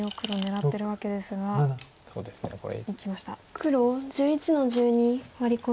黒１１の十二ワリコミ。